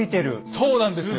そうなんですよ。